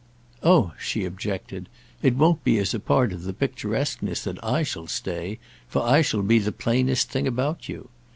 "Oh," she objected, "it won't be as a part of the picturesqueness that I shall stay, for I shall be the plainest thing about you.